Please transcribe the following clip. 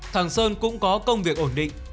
thằng sơn cũng có công việc ổn định